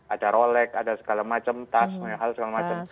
ada rolek ada segala macam tas segala macam hal